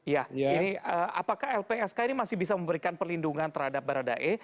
ya apakah lpsk ini masih bisa memberikan perlindungan terhadap barada e